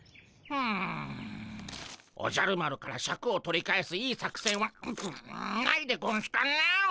うんおじゃる丸からシャクを取り返すいい作戦はないでゴンスかね。